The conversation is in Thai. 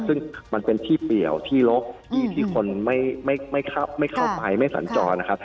ซึ่งมันเป็นที่เปลี่ยวที่ลกที่คนไม่เข้าไปไม่สัญจรนะครับ